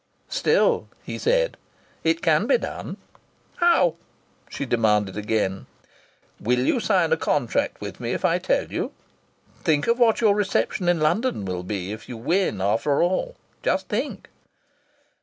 "Still," he said, "it can be done." "How?" she demanded again. "Will you sign a contract with me if I tell you?... Think of what your reception in London will be if you win after all! Just think!"